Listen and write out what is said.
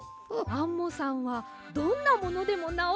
アンモさんはどんなものでもなおせるんですね！